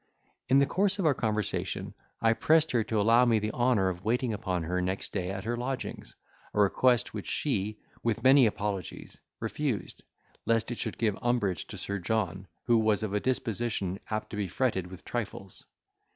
In the course of our conversation, I pressed her to allow me the honour of waiting upon her next day at her lodgings, a request which she, with many apologues, refused, lest it should give umbrage to Sir John, who was of a disposition apt to be fretted with trifles.